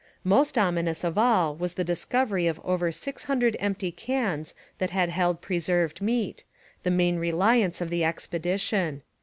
Most ominous of all was the discovery of over six hundred empty cans that had held preserved meat, the main reliance of the expedition.